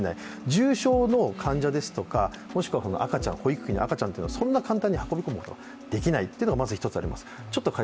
重傷の患者ですとか保育器の中の赤ちゃんというのはそんな簡単に運び込むことができないというのがまず一つあります。